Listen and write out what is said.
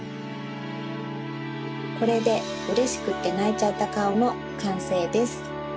これでうれしくってないちゃったかおのかんせいです。